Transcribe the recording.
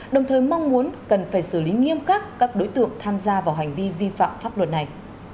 đồng thời mong muốn cần phải xử lý nghiêm khắc các đối tượng tham gia vào hành vi vi phạm pháp luật này